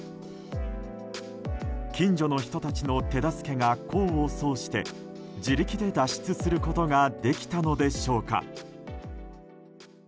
近所の人たちの手助けが功を奏して自力で脱出することができたのでしょうか。